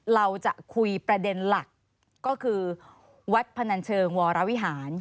เราจะคุยประเด็นหลักก็คือวัดพนันเชิงวรวิหาร